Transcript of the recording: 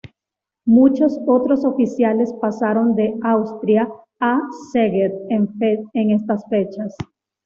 Muchos otros oficiales pasaron de Austria a Szeged en estas fechas.